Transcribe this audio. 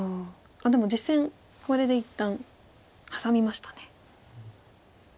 でも実戦これで一旦ハサみましたね。